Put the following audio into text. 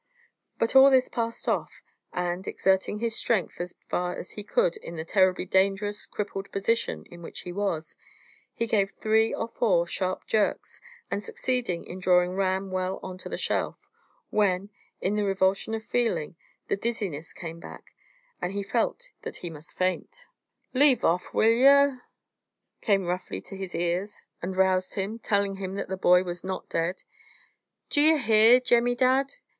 But all this passed off, and, exerting his strength as far as he could in the terribly dangerous, crippled position in which he was, he gave three or four sharp jerks, and succeeded in drawing Ram well on to the shelf, when, in the revulsion of feeling, the dizziness came back, and he felt that he must faint. "Leave off, will yer?" came roughly to his ears, and roused him, telling him that the boy was not dead. "D'yer hear, Jemmy Dadd?